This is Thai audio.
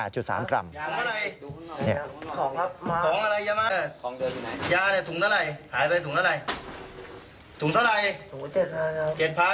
ยาของอะไรอย่ามาเถอะยาแหละถุงเท่าไรถุงเท่าไรถุงเท่าไรถุงเท่าไร